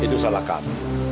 itu salah kami